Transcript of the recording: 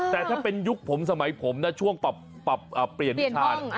แต่ถ้าเป็นยุคผมสมัยผมนะช่วงปรับเปลี่ยนวิชา